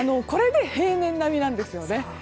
これで平年並みなんです。